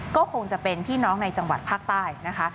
ก็คงจะเป็นพี่น้องในจังหวัดภาคใต้นะคะ